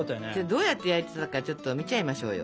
どうやって焼いてたのかちょっと見ちゃいましょうよ。